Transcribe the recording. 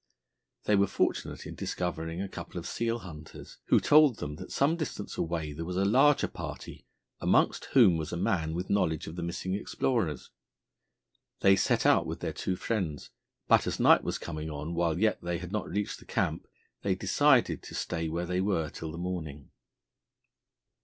They were fortunate in discovering a couple of seal hunters, who told them that some distance away there was a larger party, amongst whom was a man with knowledge of the missing explorers. They set out with their two friends, but as night was coming on while yet they had not reached the camp, they decided to stay where they were till the morning.